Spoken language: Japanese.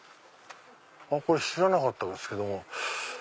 これ知らなかったですけども。